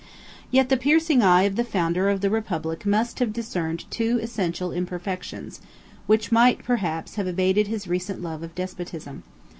] Yet the piercing eye of the founder of the republic must have discerned two essential imperfections, which might, perhaps, have abated his recent love of despostism.